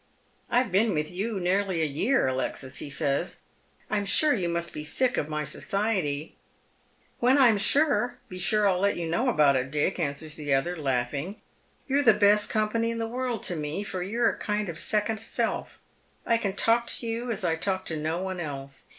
" I've been with you nearly a year, Alexis," he says. " I am Bure you must be sick of my society." " When I am, be sure I'll let you know it, Dick," answers the ether, laughing. " You're the best company in the world to me, for you're a kind of second self. I can talk to you as I can talk to no one else.